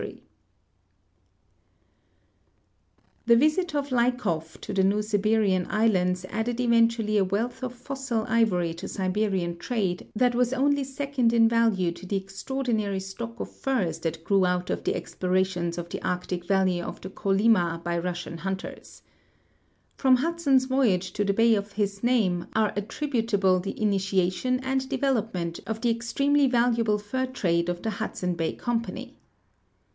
36 SCOPE AED VALCE OF ARCTIC EXPLORATlOyS The visit of Laikoff to the New Siberian islands added eventu ally a wealth of fossil ivory to Siberian trade that was onl}'' second in value to the extraordinary stock of furs that grew out of the explorations of the Arctic valley of the Kolinia by Rus sian hunters. From Hudson's voyage to the bay of his name are attributable the initiation and development of the extremely valuable fur trade of the Hudson Bay Company.